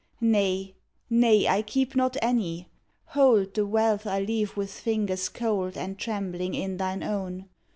Nay, nay; I keep not any. Hold The wealth I leave with fingers cold And trembling in thine own.